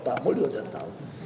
pak muldi sudah tahu